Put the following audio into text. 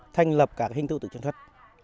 thanh lập cả cái hình tựu tựu chân thuật